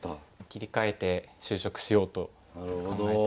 切り替えて就職しようと考えてました。